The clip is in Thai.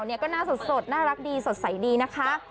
เนี่ยก็น่าสดสดน่ารักดีสดใสดีนะคะ